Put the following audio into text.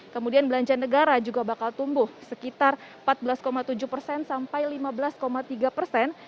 kemudian belanja negara juga bakal tumbuh sekitar empat belas tujuh persen sampai lima belas tiga persen